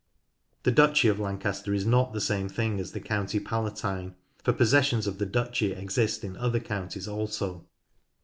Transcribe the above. The duchy of Lancaster is not the same thing as the county pala tine, for possessions of the duchy exist in other counties also.